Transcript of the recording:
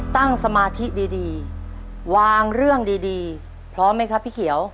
สมาธิดีวางเรื่องดีพร้อมไหมครับพี่เขียว